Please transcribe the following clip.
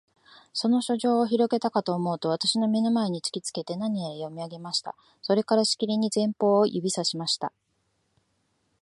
その書状をひろげたかとおもうと、私の眼の前に突きつけて、何やら読み上げました。それから、しきりに前方を指さしました。